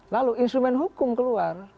lalu instrumen hukum keluar